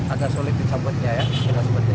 agak sulit dicabutnya ya